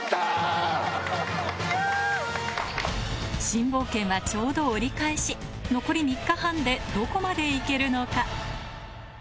新冒険はちょうど折り返し残り３日半でどこまで行けるのか？